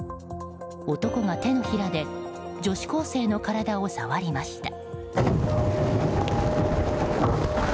男が手のひらで女子高生の体を触りました。